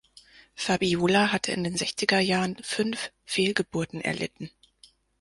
Fabiola hatte in den sechziger Jahren fünf Fehlgeburten erlitten.